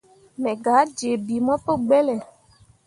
Me gah jii bii mo pu gbelle.